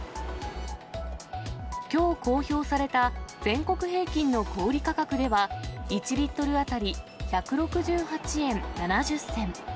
きょう公表された全国平均の小売り価格では、１リットル当たり１６８円７０銭。